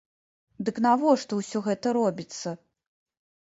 Дык навошта ўсё гэта робіцца?